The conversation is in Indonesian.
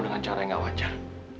dengan cara yang gak wajar